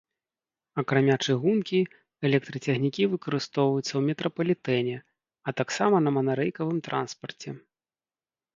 Акрамя чыгункі, электрацягнікі выкарыстоўваюцца ў метрапалітэне, а таксама на манарэйкавым транспарце.